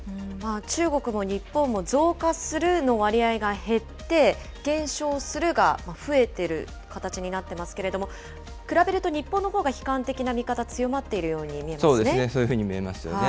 中国も日本も増加するの割合が減って、減少するが増えてる形になっていますけれども、比べると日本のほうが悲観的な見方、そうですね、そういうふうに見えますよね。